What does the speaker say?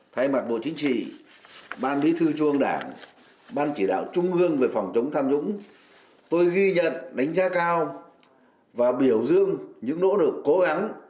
thay mặt bộ chính trị ban bí thư trung ương đảng ban chỉ đạo trung ương về phòng chống tham nhũng tôi ghi nhận đánh giá cao và biểu dương những nỗ lực cố gắng